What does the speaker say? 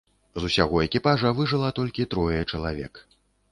З усяго экіпажа выжыла толькі трое чалавек.